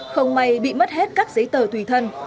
không may bị mất hết các giấy tờ tùy thân